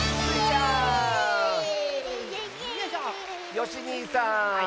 よしにいさん！